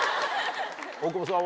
大久保さんは？